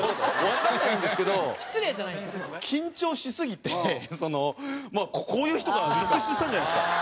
わかんないんですけど緊張しすぎてこういう人が続出したんじゃないですか？